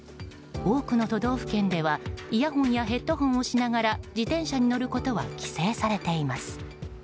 多くの都道府県ではイヤホンやヘッドホンをしながら自転車に乗ることは規制されています。